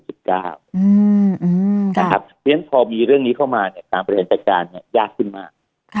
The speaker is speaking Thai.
เพราะฉะนั้นพอมีเรื่องนี้เข้ามาตามประหลาดการประหลาดการเนี่ยยากขึ้นมาก